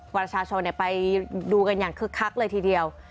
ประชาชนไปดูกันอย่างคึกคักเลยทีเดียว